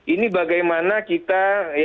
ini bagaimana kita